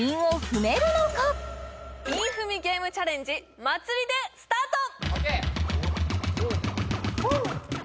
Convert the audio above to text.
韻踏みゲームチャレンジ「まつり」でスタート！